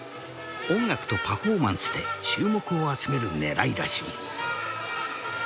音楽とパフォーマンスで注目を集める狙いらしい。